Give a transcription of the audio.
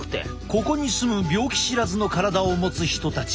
ここに住む病気知らずの体を持つ人たち。